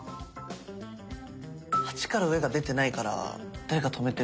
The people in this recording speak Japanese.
８から上が出てないから誰か止めてる。